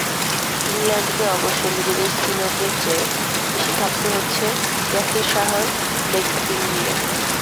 ইংল্যান্ডকে অবশ্য নিজেদের স্পিনারদের চেয়ে বেশি ভাবতে হচ্ছে ইয়াসির শাহর লেগ স্পিন নিয়ে।